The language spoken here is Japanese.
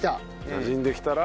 なじんできたら。